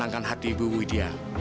dan menenangkan hati ibu widya